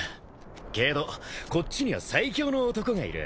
けどこっちには最強の男がいる。